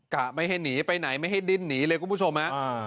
กะไม่ให้หนีไปไหนไม่ให้ดิ้นหนีเลยคุณผู้ชมฮะ